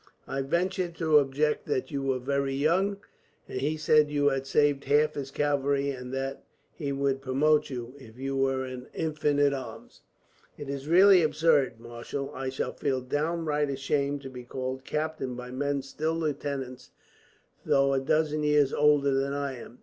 I ventured to object that you were very young. He said you had saved half his cavalry, and that he would promote you, if you were an infant in arms." "It is really absurd, marshal. I shall feel downright ashamed to be called captain by men still lieutenants, though a dozen years older than I am.